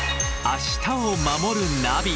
「明日をまもるナビ」